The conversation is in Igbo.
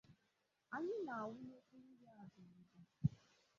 anyị ana-awụnyekuru ya abịrịbọ?